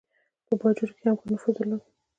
په باجوړ کې یې هم ښه نفوذ درلود.